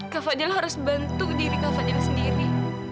kak fadil harus bantu diri kak fadil sendiri